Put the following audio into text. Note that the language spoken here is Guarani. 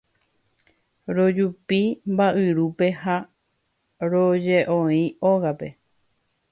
rojupi mba'yrúpe ha roje'ói ógape.